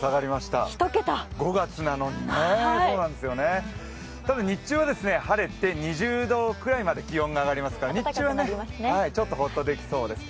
ただ日中は晴れて２０度くらいまで気温が上がりますから日中はちょっとホッとできそうです。